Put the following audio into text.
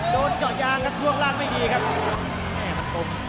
โดนเจาะยางช่วงตัวล่างไม่ดีครับ